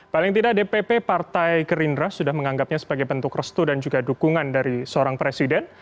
paling tidak dpp partai gerindra sudah menganggapnya sebagai bentuk restu dan juga dukungan dari seorang presiden